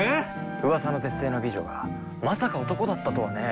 うわさの絶世の美女がまさか男だったとはね。